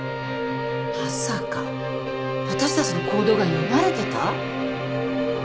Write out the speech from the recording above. まさか私たちの行動が読まれてた？